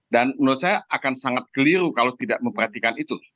dan menurut saya akan sangat keliru kalau tidak memperhatikan itu